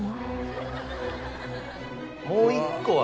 もう一個は。